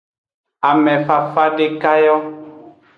Amefafa dekayo.